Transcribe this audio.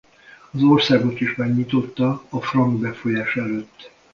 Az országot is megnyitotta a frank befolyás előtt.